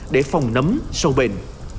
để phòng nấm sâu bền